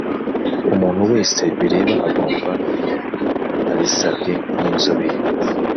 Umuntu wese bireba agomba abisabwe n inzobere